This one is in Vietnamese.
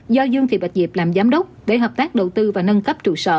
do dương thị bạch diệp làm giám đốc để hợp tác đầu tư và nâng cấp trụ sở